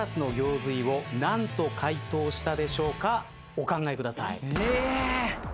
お考えください。